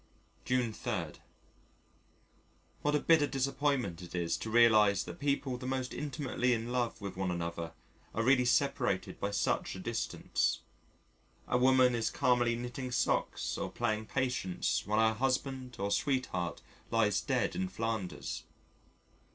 June 3. What a bitter disappointment it is to realise that people the most intimately in love with one another are really separated by such a distance. A woman is calmly knitting socks or playing Patience while her husband or sweetheart lies dead in Flanders.